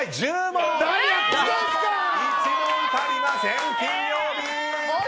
１問足りません、金曜日。